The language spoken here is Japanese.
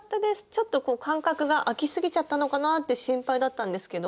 ちょっと間隔があきすぎちゃったのかなって心配だったんですけど。